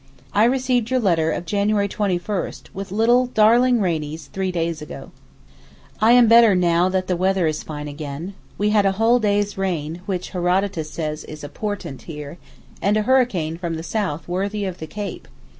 I received your letter of January 21 with little darling Rainie's three days ago. I am better now that the weather is fine again. We had a whole day's rain (which Herodotus says is a portent here) and a hurricane from the south worthy of the Cape.